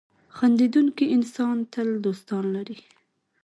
• خندېدونکی انسان تل دوستان لري.